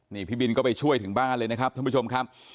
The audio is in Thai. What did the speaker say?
นี่พี่บินก็ไปช่วยถึงบ้านเลยนะครับท่านผู้ชมครับ